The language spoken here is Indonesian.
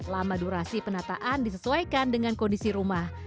lama durasi penataan disesuaikan dengan kondisi rumah